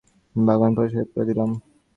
আমি বাগান পরিষ্কার করে দিলাম।